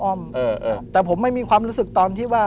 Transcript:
ผมก็ไม่เคยเห็นว่าคุณจะมาทำอะไรให้คุณหรือเปล่า